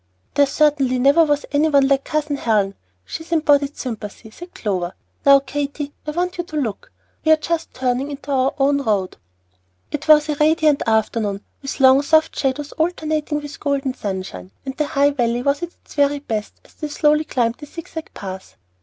"There certainly never was any one like Cousin Helen. She is embodied sympathy," said Clover. "Now, Katy, I want you to look. We are just turning into our own road." It was a radiant afternoon, with long, soft shadows alternating with golden sunshine, and the High Valley was at its very best as they slowly climbed the zigzag pass.